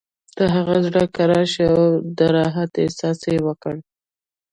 د هغه زړه کرار شو او د راحت احساس یې وکړ